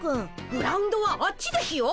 グラウンドはあっちですよ。